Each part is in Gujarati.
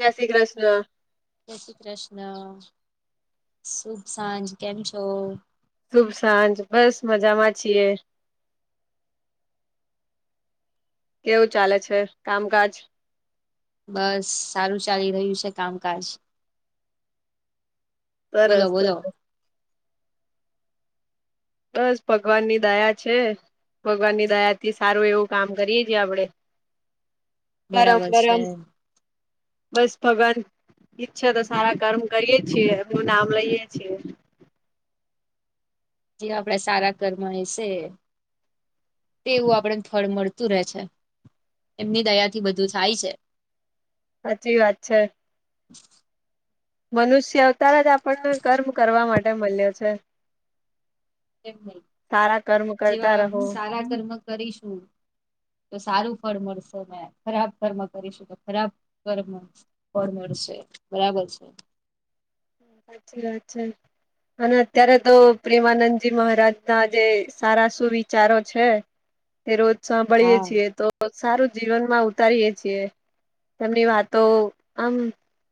જય શ્રી કૃષ્ણ. જય શ્રી કૃષ્ણ શુભ સાંજ કેમ છો? શુભ સાંજ બસ મજામાં છીએ. કેવું ચાલે છે કામકાજ? બસ સારું ચાલી રહ્યું છે કામકાજ. બોલો સરસ બોલો સરસ. બસ ભગવાન ની દયા છે ભગવાનની દયા થી સારું એવું કામ કરીએ છીએ આપડે. [inaudible] કરમ બરાબર છે ગરમ બસ ભગવાન- - ઈચ્છાતો સારા કર્મ કરીએ એમનું નામ લઈએ છીએ. જે આપડા સારા કર્મ હશે.... તેવું આપડેને ફળ મળતું રહે છે એમની દયાથી બધું થાય છે. સાચી વાત છે. મનુષ્ય અવતાર જ આપણને કર્મ કરવા માટે મળ્યો છે. એમ પણ સારા કર્મ કરતા જેવા રહો સારા કર્મ કરીશું તો સારું ફળ મળશે ને ખરાબ કર્મ કરીશું તો ખરાબ ફળ મળસે ફ મળશે બરાબર છે. સાચી વાત છે. અને અત્યારે તો પ્રેમાનંદજી મહારાજ ના જે સારા સુવિચારો છે. એ રોજ સાંભળીયએ હા છીએ તો સારું જીવન માં ઉતારીયએ છીએ. તેમની વાતો આમ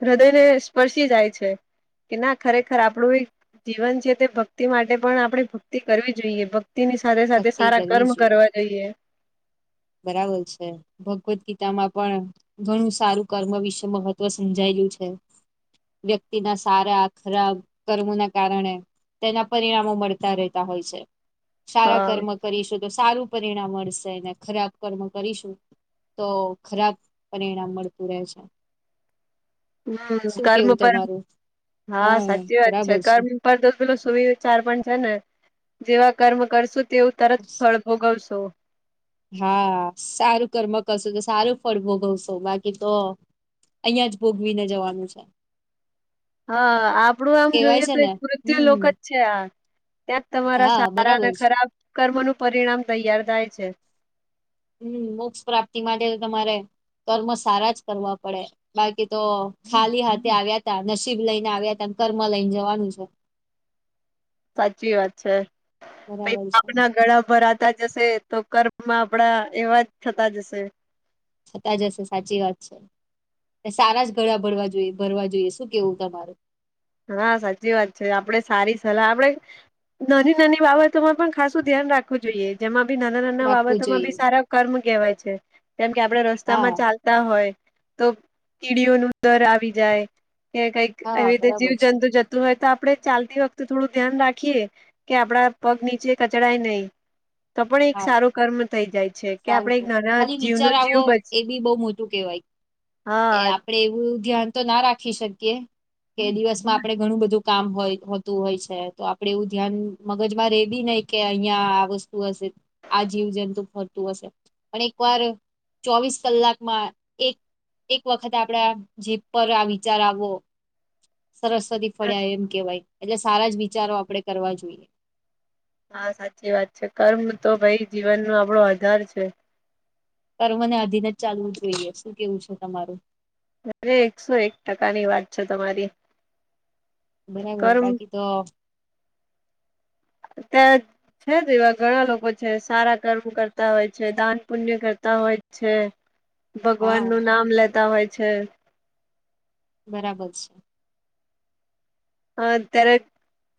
હૃદયને સ્પર્શી જાય છે. કે ના ખરેખર આપણું જીવન છે તે ભક્તિ માટે પણ આપણે ભક્તિ કરવી જોઈએ. એની સાથે સાથે ભક્તિ સારા કરવી કર્મ કરવા જોઈએ. બરાબર છે... ભગવદ ગીતા માં પણ ઘણું સારું કર્મ વિશે મહત્વ સમજાયેલું છે. વ્યક્તિના સારા ખરાબ કર્મો ના કારણે! તેના પરિણામો મળતા રહેતા હોય છે. સારા હા કર્મ કરીશું તો સારું પરિણામ મળશે એને ખરાબ કર્મ કરીશું તો ખરાબ પરિણામ મળતું રહે છે. હમ શું કર્મ કેવું પર તમારું હા સાચી વાત છે કર્મ. તો પેલો સુવિચાર પણ છે ને જેવા કર્મ કરશું તેવું તરત ફળ. ભોગવશો. હા સારું કર્મ કરશો તો સારું ફળ ભોગવશો બાકી તો. અહિયાં જ ભોગવીને જવાનું છે. હા આપડું આમ કેવાય જોઈએ છે તો ને એક મૃત્યુ હમ લોક જ છે. આ ત્યાં જ તમારા હા સારા બરાબર અને છે ખરાબ કર્મ નું પરિણામ તૈયાર થાય છે. હમ મોક્ષ પ્રાપ્તિ માટે તમારે કર્મ સારા જ કરવા પડે. બાકી તો ખાલી હાથે આવ્યા તા નસીબ લઈને આવ્યા ત કર્મ લઈને જવાનું છે. સાચી વાત છે પ બરાબર છે પાપના ગળા ભરાતા જશે. તો કર્મમાં આપડા એવા જ થતા જશે. થતા જશે સાચી વાત છે. સારા જ ગળા ભરવા જોઈએ ભરવા જોઈએ શું કેવું તમારું? હા સાચી વાત છે આપડે સારી સલાહ આપડે. નાની નાની બાબતોમાં પણ ખાસું ધ્યાન રાખ જોઈ જેમાં બી નાના નાના રાખવું બાબતોમાં જોઈએ બી સારા કર્મ કહેવાય છે. જેમ કે આપડે હા રસ્તામાં ચાલ હોય તો કીડીઓ ન દર આવી જાય કે કઈક હા એવી રીતે. જીવ બરાબર છે જંતુ જતું હોય તો આપડે ચાલતી વખતે થોડું ધ્યાન રાખીએ. કે આપડા પગ નીચે કચડાય નહી. તો પણ એક હા સારો કર્મ થઈ જાય છે કે સારું આપણે એક કર્યું નાના ખાલી જીવનો વિચાર આવો જીવ બચ એ બી બહુ મોટું કેહેવાય એ હા. આપડે એવું ધ્યાન તો ના રાખી શકીએ. કે દિવસમાં આપડે ઘણું બધું કામ હોય હોતું હોય છે. તો આપડે એવું ધ્યાન. મગજ મારે એ બી નહ કે અહિયાં આ વસ્તુ હશે આ જીવજંતુ ફરતું હશે. પણ એક વાર ચોવીસ કલાકમાં એક, એક વખત આપડા જે પર આ વિચાર આવવો. સરસ્વતી ફળ્યા એમ કેવાય એટલે સારા જ વિચારો આપડે કરવા જોઈએ. હા સાચી છે કર્મ તો ભઈ જીવન ન આપણો આધાર છે. પર મને અધિન જ ચાલવું જોઈએ શું કેવું છે તમારું? અરે એકસો એક ટકા ની વાત છે તમારી. બરાબર કર્મ બાકીતો. [unintelligible] છે જ એવા ઘણા લોકો છે સારા કર્મ કરતા હોય છે દાન પુણ્ય કરતા હોય છે. [inaudible] ભગવાન નું નામ લેતા હોય છે. બરાબર છે. અત્યારે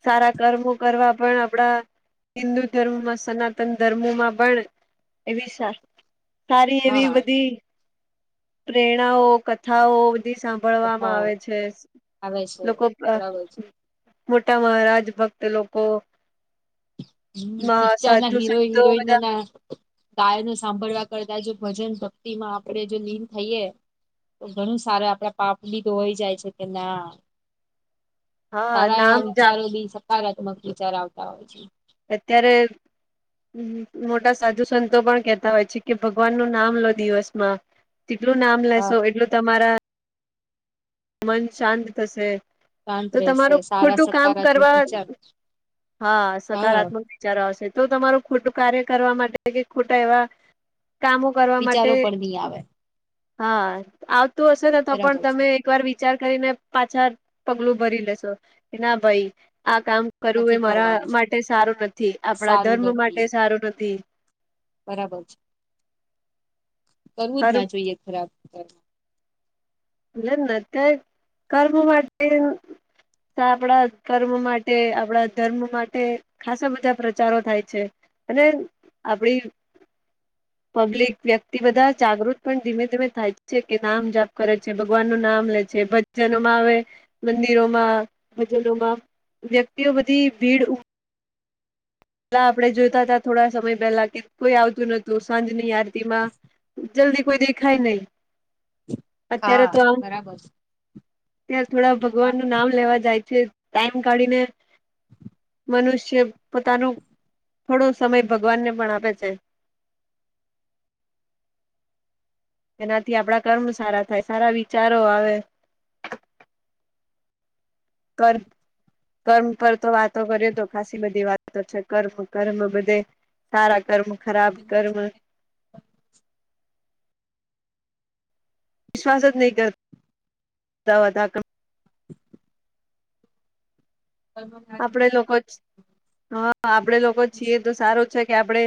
સારા કર્મો કરવા પણ આપડા. હિન્દુ ધર્મમાં સનાતન ધર્મમાં પણ એવી [inaudible] સારી એવી હા બધી પ્રેરણાઓ કથાઓ બધી સા ભળવામાં કથાઓ આવે છે આવે છે લોકો અ બરાબર છે મોટા મહારાજ ભક્ત લોકો. પિક્ચર ના સાધુ હીરો સંતો હિરોઈન નો બધા ના ગાય ન સાંભળવા કરતા જો ભજન ભક્તિ માં આપણે જો લિન થઈએ. [unintelligible] ઘણું સાર આપડા પાપ બી [unintelligible] જાય છે કે ના હા સારા નામ એવા જાપ વિચારો બી સકારાત્મક વિચાર આવતા હોય છે. અત્યારે હ મોટા સાધુ સંતો પણ કહેતા હોય છે કે ભગવાનનું નામ લો દિવસમાં જેટલું નામ હા લેશો એટલું તમારા મન શાંત થશે. શાંત તો રહેશે તમારું સારા ખોટું કામ સકારાત્મક કરવા, વિચાર હા સકારાત્મક વિચારો આવશે તો તમારું ખોટું કાર્ય કરવા માટે કે ખોટા એવા કામો કરવા માટે, વિચારો પણ નહી આવે હા આવતું હશે ને તો પણ બરાબર છે તમે એક વાર કરીને પાછા પગલું ભરી કે ના ભાઈ આ કામ કરવું એ નથી મારા કરવાનું માટે સારું નથી આપણા સારું ધર્મ નથી માટે સારું નથી. બરાબર છે. કરવું જ કર્મ ના જોઈએ ખરાબ કામ ને એમ અત્યારે કર્મ માટે ને આપણા કર્મ માટે, આપણા ધર્મ માટે ખાસા બધા પ્રચારો થાય છે અને આપડી પબ્લિક વ્યક્તિ બધા જાગૃત પણ ધીમે ધીમે થાય છે કે નામ જાપ કરે છે. ભગવાન નું નામ લે છે. ભજનોમાં આવે. મંદિરોમાં, ભજનોમાં વ્યક્તિઓ બધી ભીડ ઉ પેલા આપડે જોઈતા હતા થોડા સમય પેલા કે કોઈ આવતું નતું સાંજની આરતીમાં જલ્દી કોઈ દેખાય નહીં. હા, બરાબર છે. ત્યાં થોડા હા ભગવાન નું નામ લેવા જાય છે ટાઈમ કાઢીને મનુષ્ય પોતાનું થોડો સમય ભગવાન ને પણ આપે છે. એનાથી આપડા કર્મ સારા થાય. સારા વિચારો આવે. કર કર્મ પર તો વાતો કરીએ તો ખાસી બધી વાતો છે કર્મ, કર્મ બધે સારા કર્મ ખરાબ કર્મ વિશ્વાસ જ નહી કર તા હોતા ક આપડે લોકો છ હા આપડે લોકો છીએ તો સારું છે કે આપડે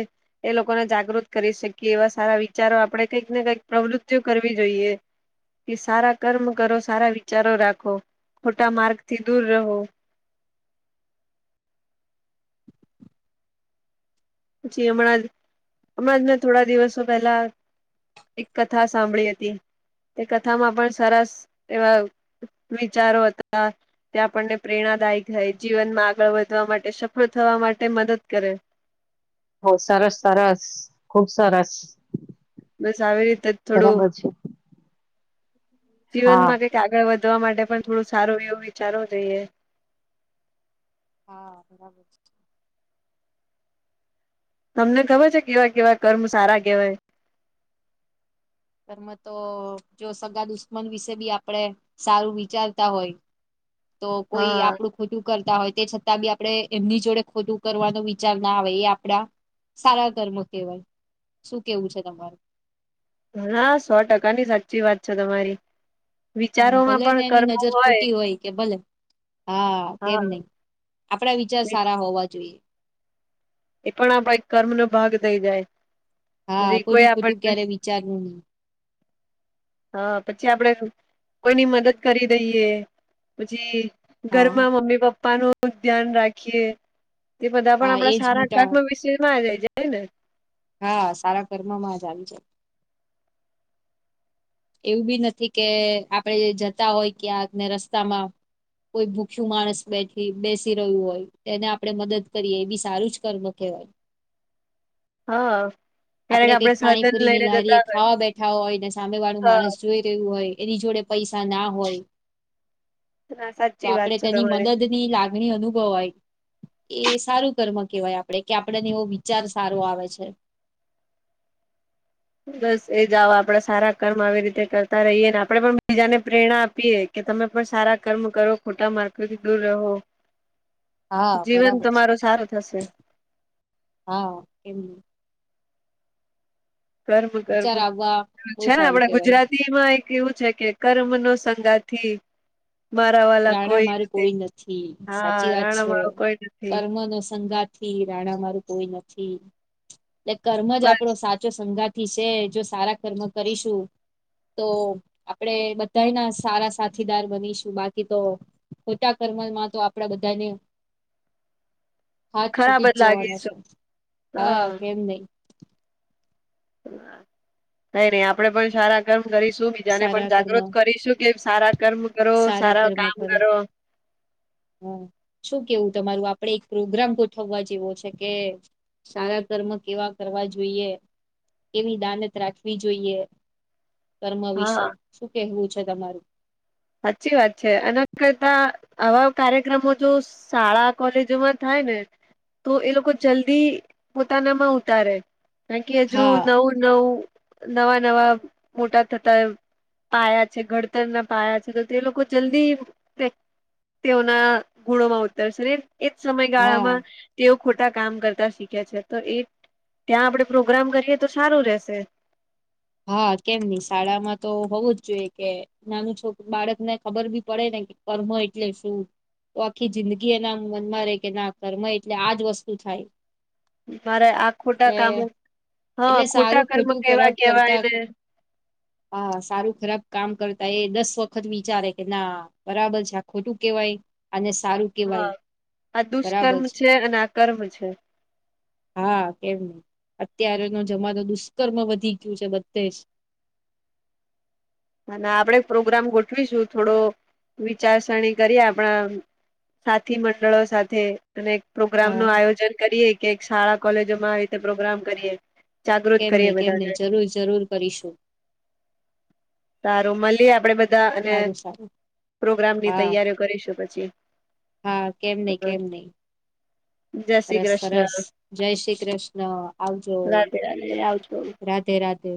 એ લોકોને જાગૃત કરી શકીએ એવા સારા વિચારો આપણે કંઈક ને કઈક પ્રવૃતિઓ કરવી જોઈએ કે સારા કર્મ કરો સારા વિચારો રાખો. ખોટા માર્ગથી દૂર રહો. એ હમણાં જ, હમણાં જ મેં થોડા દિવસો પહેલા એક કથા સાંભળી હતી તે કથામાં પણ સરસ એવા વિચારો હતા. ત્યાં આપણને પ્રેરણાદાયી થાય. જીવનમાં આગળ વધવા માટે સફળ થવા માટે મદદ કરે. હ સરસ, સરસ. ખુબ સરસ. બસ આવી રીતે જ થોડું હા જીવનમાં કંઈક આગળ વધવા માટે પણ થોડું સારું એવું વિચારવો જોઈએ. હા બરાબર છે. તમને ખબર છે કેવા કેવા કર્મ સારા કહેવાય? એમાં તો જો સગા દુશ્મન વિશે ભી આપડે સારું વિચારતા હોય તો કોઈ હા આપડું ખોટું કરતા હોય તે છતાં ભી આપડે એમની જોડે ખોટું કરવાનો વિચાર ના આવે એ આપડા સારા કર્મ કહેવાય. શું કેવું છે તમારું? હા, સો ટકા ની સાચી વાત છે તમારી. વિચારોમાં ભલે ને પણ એની કર્મ નજર ખોટી હોય કે ભલે હા કેમ નઈ આપણા વિચાર સારા હોવા જોઈએ. એ પણ આપણા એક કર્મ નો ભાગ થઈ જાય. હા પછી કોઈ કોઈનું ખોટું આપને ક્યારે વિચારવું નહી. હા પછી આપડે કોઈની મદદ કરી દઈએ. પછી હા ઘરમાં મમ્મી પપ્પા નું ધ્યાન રાખીએ. તે બધા પણ હા આપડા એજ સારા મોટા કર્મ વિશે માં જ આઈ જાય ને હા સારા કર્મ માં જ આવી જાય. એવું બી નથી કે આપડે જતા હોય ક્યાંને રસ્તામાં કોઈ ભૂખ્યુ માણસ બેઠ બેસી રહ્યું હોય તેને આપણે મદદ કરીએ એ બી સારું જ કર્મ કહેવાય. હા ક્યારેક આપડે કંઈક સાધન પાણીપુરી ની લઈને લારીએ જતા હોય ખાવા બેઠા હોય ને સામે વાળું માણસ હા જોઈ રહ્યું હોય એની જોડે પૈસા ના હોય. તો સાચી વાત આપણે છે તેની તમારી મદદ ની લાગણી અનુભવાય એ સારું કર્મ કેવાય આપડે કે આપડને એવો વિચાર સારો આવે છે. બસ એજ આવ આપડે સારા કર્મ આવી રીતે કરતા રહીએ ને આપડે પણ બીજાને પ્રેરણા આપીએ. કે તમે પણ સારા કર્મ કરો ખોટા માર્ગથી દૂર રહો. હા જીવન બરાબર છે તમારો સારો થશે. હા -કેમ કરવું વિચાર કરવું આવવા - બહુ છે ને સારું આપડા કેવાય ગુજરાતી એક એવું છે કે કર્મ નો સંગાથી રાણા મારું કોઈ નથી સાચી હા વાત રાણા છે વાળો કોઈ નથી કર્મ નો સંગાત થી રાણા મારું કોઈ નથી એટલે કર્મ જ બસ આપડો સાથ જો સંગાથી છે જો સારા કર્મ કરીશું. તો આપડે બધાઈ ના સારા સાથીદાર બનીશું બાકી કી તો ખોટા કર્મમાં તો આપડા બધાએને હાથ ખરાબ છૂટી જ જવાના છે લાગીશું હા કેમ નહી, [inaudible] કઈ નહી આપડે પણ‌ શાળા કર્મ કરીશું બીજાને સારા પણ કર્મ જાગૃત કરીશું કે સારા કર્મ કરો સારા કામ કરો. હ શું કેવું તમારું આપડે એક પ્રોગ્રામ ગોઠવા જેવો છે કે, સારા કર્મ કેવા કરવા જોઈએ. એવી દાનત રાખવી જોઈએ- કર્મ વિશે હા શું કેહેવું છે તમારું સાચી વાત છે આના કરતા આવા કાર્યક્રમો જો શાળા કોલેજોમાં થાય ને, તો એ લોકો જલ્દી પોતાના માં ઉતારે કારણ કે હજુ હા નવું. નવું નવા નવા મોટા થતા પાયા છે ઘડતર ના પાયા છે. તો તે લોકો જલ્દી -તે તેઓના ગુણો માં ઉતરશે. એજ હા સમયગાળામાં. તેઓ ખોટા કામ કરતા શીખે છે તો એ ત્યાં આપડે પ્રોગ્રામ કરીએ તો સારું રહેશે. હા કેમ નઈ શાળામાં તો હોવું જ જોઈએ કે નાનું છોકરું બાળક ને ખબર બી પડે ને. કર્મ એટલે શું? તો આખી જિંદગી એના મનમાં રે કે ના કમૅ એટલે આજ વસ્તુ થાય. મારે આ ખોટા એટલે કામો હા એટલે ખોટા સારું કર્મ ખોટું ખરાબ કેવા કરતા કેવાયને. હા, સારું ખરાબ કામ કરતા એ દસ વખત વિચારે કે ના. બરાબર છે, આ ખોટું કેવાય અને સા. હા, આ દુષ્કર્મ છે અને આ કર્મ છે. હા, કેમ અત્યારેનો જમાનો દુષ્કર્મ વ. [unintelligible] અને આપણેે પ્રોગ્રામ ગોઠવીશું, થોડો વિચારસરણી કરીએ આપણા. સાથી મંડળો સાથે. અને એક હા પ્રોગ્રામનું આયોજન કરીએ કે એક શાળા કોલેજોમાં આવી રીતે પ્રોગ્રામ કરીએ. જાગૃત કેમ નહિ, કરીએ કેમ બધાને નહી જરૂર જરૂર કરીશું. સારું મળીએ આપડે બધા અને સારું સારું પ્રોગ્રામની હા તૈયારીઓ કરીશું પછી. હા, કેમ નહી કેમ નહી. જય શ્રી સરસ કૃષ્ણ સરસ, જય શ્રી કૃષ્ણ આવજો. રાધે રાધે આવજો રાધે રાધે.